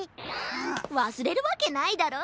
わすれるわけないだろ。